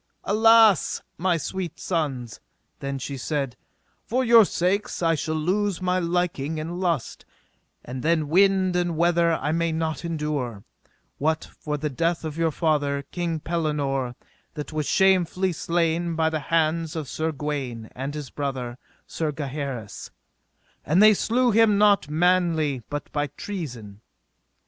Alas, my sweet sons, then she said, for your sakes I shall lose my liking and lust, and then wind and weather I may not endure, what for the death of your father, King Pellinore, that was shamefully slain by the hands of Sir Gawaine, and his brother, Sir Gaheris: and they slew him not manly but by treason.